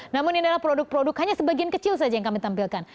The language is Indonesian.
namun ini adalah produk produk hanya sebagian kecil saja yang kami tampilkan